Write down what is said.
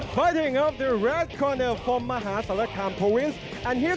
เบียดไทยปยุฒิภูมิ